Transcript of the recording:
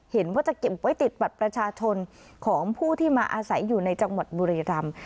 เห็นว่าจะเก็บไว้ติดบัตรประชาชนของผู้ที่มาอาศัยอยู่ในจังหวัดบุรีรำ